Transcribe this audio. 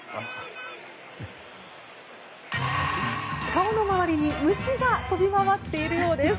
顔の周りに虫が飛び回っているようです。